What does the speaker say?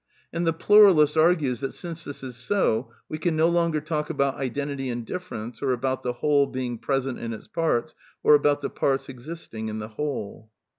(Ibid., loc. cU.) And the pluralist argues that, since this is so, we can no longer talk about identity in difference, or about the whole being present in its parts, or about the parts exist ing in the whole.